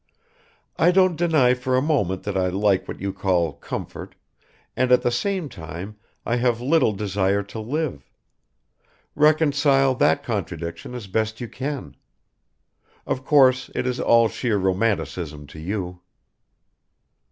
I don't deny for a moment that I like what you call comfort, and at the same time I have little desire to live. Reconcile that contradiction as best you can. Of course it is all sheer romanticism to you."